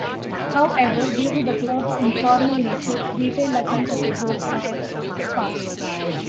However, due to the club's informal nature, detailed accounts of the group are sparse.